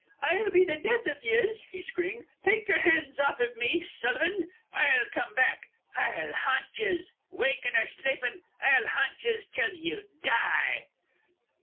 "I'll be the death iv yez!" he screamed. "Take yer hands off iv me, Sullivan! I'll come back! I'll haunt yez! Wakin' or slapin', I'll haunt yez till you die!"